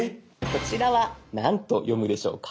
こちらは何と読むでしょうか？